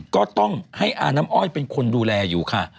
ก็ต้องให้อาน้ำอ้อยเป็นคนดูแลอยู่ค่ะ